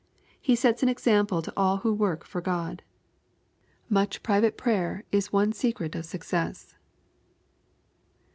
He sets an example to all who work for Grod. Much private prayer is one secret of success.